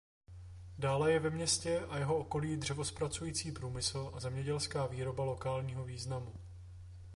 Dále je ve městě a jeho okolí dřevozpracující průmysl a zemědělská výroba lokálního významu.